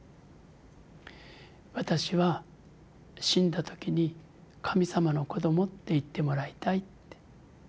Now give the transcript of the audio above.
「私は死んだ時に神様の子どもって言ってもらいたい」って。